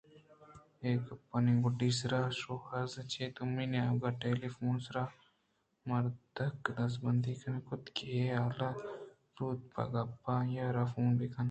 اے گپانی گُڈّسرا شوازر ءَچہ دومی نیمگ ءَ ٹیلی فون ءِ سرءِ مردک ءَ دزبندی ئے کُت کہ اے حالءَ زوت بہ گیپت ءُ آئی ءَ را فون بہ کنت